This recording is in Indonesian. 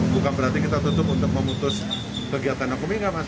bukan berarti kita tutup untuk memutus kegiatan ekonomi nggak mas